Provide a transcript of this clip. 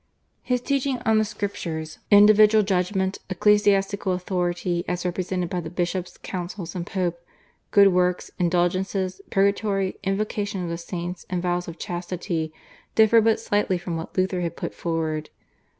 His teaching on the Scriptures, individual judgment, ecclesiastical authority as represented by the bishops, councils, and Pope, good works, indulgences, purgatory, invocation of the saints, and vows of chastity differed but slightly from what Luther had put forward.